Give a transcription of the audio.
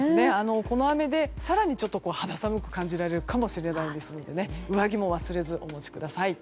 この雨で更に肌寒く感じられるかもしれないので上着も忘れずお持ちください。